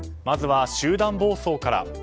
まずは集団暴走から。